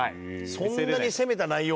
そんなに攻めた内容なんだ。